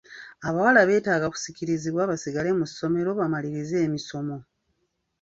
Abawala beetaaga okusikirizibwa basigale mu ssomero bamalirize emisomo.